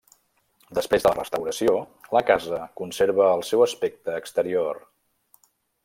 Després de la restauració, la casa conserva el seu aspecte exterior.